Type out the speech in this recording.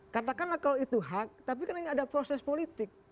katakanlah kalau itu hak tapi kan ini ada proses politik